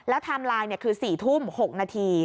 ไทม์ไลน์คือ๔ทุ่ม๖นาที